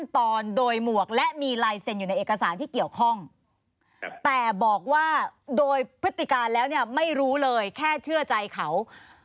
แต่บอกว่าโดยพฤติการแล้วไม่รู้เลยแค่เชื่อใจเขา